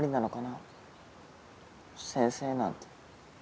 あ先生なんて。